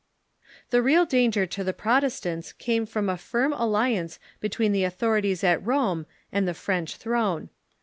The real danger to the Protestants came from a firm alli ance between the authorities at Rome and the French throne.